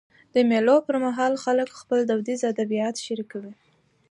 د مېلو پر مهال خلک خپل دودیز ادبیات شريکوي.